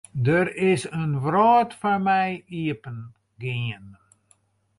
Der is in wrâld foar my iepengien.